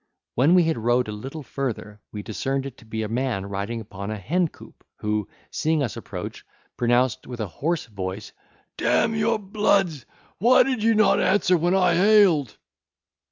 When we had rowed a little further, we discerned it to be a man riding upon a hencoop, who, seeing us approach, pronounced with a hoarse voice, "D—n your bloods! why did you not answer when I hailed?"